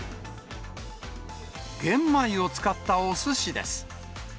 玄米を使ったおすしです。